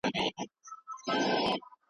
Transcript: که قوانین وي، نظم راځي.